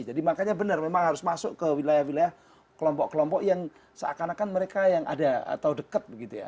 jadi makanya benar memang harus masuk ke wilayah wilayah kelompok kelompok yang seakan akan mereka yang ada atau dekat begitu ya